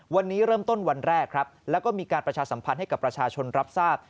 วันนี้เริ่มต้นวันแรกครับแล้วก็มีการประชาสัมพันธ์ให้กับประชาชนรับทราบ